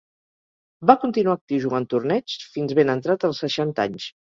Va continuar actiu jugant torneigs fins ben entrats els seixanta anys.